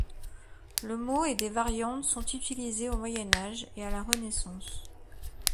Le mot et des variantes sont utilisés au Moyen Âge et à la Renaissance.